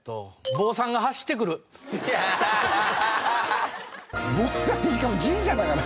坊さんしかも神社だから。